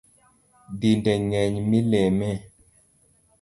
Dinde ngeny mileme